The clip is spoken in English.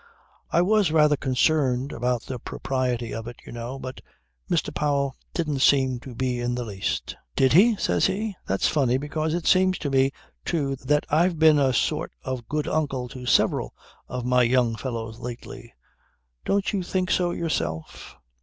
"I was rather concerned about the propriety of it, you know, but Mr. Powell didn't seem to be in the least. "Did he?" says he. "That's funny, because it seems to me too that I've been a sort of good uncle to several of you young fellows lately. Don't you think so yourself?